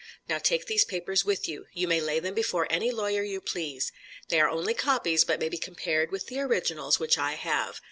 Now take these papers with you. You may lay them before any lawyer you please. They are only copies, but may be compared with the originals, which I have.